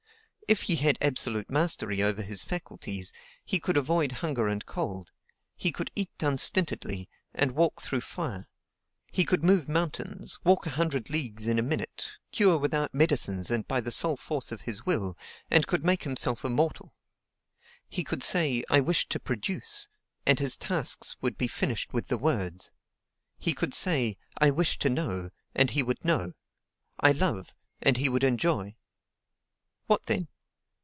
If he had absolute mastery over his faculties, he could avoid hunger and cold; he could eat unstintedly, and walk through fire; he could move mountains, walk a hundred leagues in a minute, cure without medicines and by the sole force of his will, and could make himself immortal. He could say, "I wish to produce," and his tasks would be finished with the words; he could say. "I wish to know," and he would know; "I love," and he would enjoy. What then?